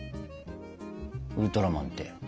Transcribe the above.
ウルトラマンって。